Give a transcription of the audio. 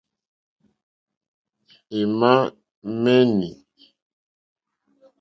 Ímá ŋmɛ̀ní.